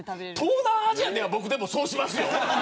東南アジアでは僕でもそうしますよ。